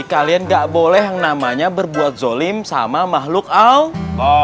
kalian gak boleh yang namanya berbuat zolim sama makhluk allah